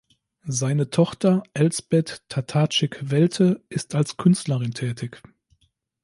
Seine Tochter Elsbeth Tatarczyk-Welte ist als Künstlerin tätig.